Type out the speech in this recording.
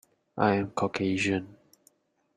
I am Caucasian.